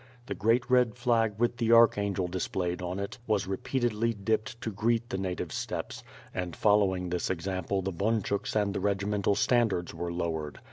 The great rod flag with the archangel displayed on it was rey)eatedly dipped to greet the native steppes, and following this example the bunchuks and the regimental standards were lowered.